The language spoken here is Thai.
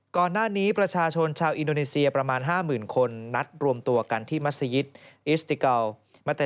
ก่อนหน้านี้ประชาชนชาวอินโดนีเซียประมาณ๕๐๐๐คนนัดรวมตัวกันที่มัศยิตอิสติเกา